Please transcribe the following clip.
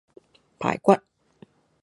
排骨